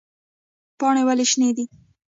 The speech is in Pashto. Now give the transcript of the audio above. پاڼې ولې شنې وي؟